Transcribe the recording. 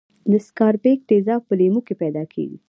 د سکاربیک تیزاب په لیمو کې پیداکیږي.